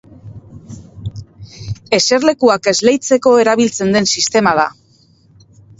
Eserlekuak esleitzeko erabiltzen den sistema da.